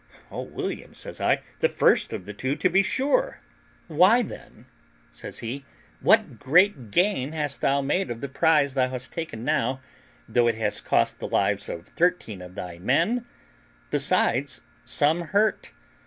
"O William," says I, "the first of the two, to be sure." "Why, then," says he, "what great gain hast thou made of the prize thou hast taken now, though it has cost the lives of thirteen of thy men, besides some hurt?